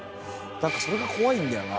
なんかそれが怖いんだよな